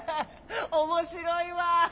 おもしろいわ。